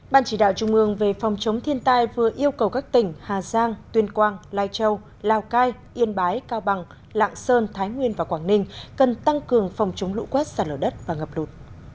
ban chỉ đạo trung ương về phòng chống thiên tai vừa yêu cầu các tỉnh hà giang tuyên quang lai châu lào cai yên bái cao bằng lạng sơn thái nguyên và quảng ninh cần tăng cường phòng chống lũ quét sạt lở đất và ngập lụt